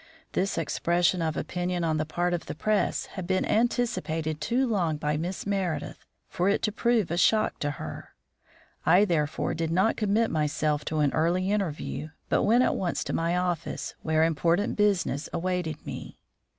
This expression of opinion on the part of the press had been anticipated too long by Miss Meredith for it to prove a shock to her. I therefore did not commit myself to an early interview, but went at once to my office, where important business awaited me.